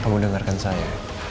kamu dengarkan saya